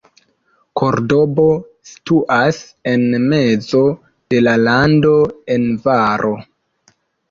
Kordobo situas en mezo de la lando en valo.